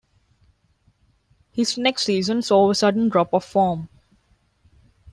His next season saw a sudden drop of form.